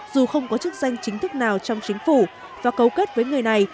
dù không có chức danh chính thức nào trong chính phủ và cấu kết với người này